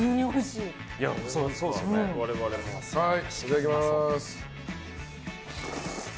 いただきます。